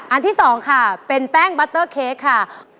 ที่๒ค่ะเป็นแป้งบัตเตอร์เค้กค่ะ